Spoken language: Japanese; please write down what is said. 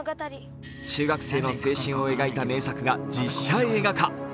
中学生の青春を描いた名作が実写映画化。